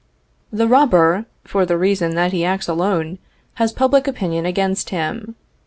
The robber, for the reason that he acts alone, has public opinion against him.